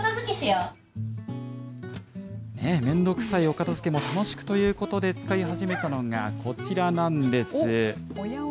面倒くさいお片づけも楽しくということで、使い始めたのがこちらなんです。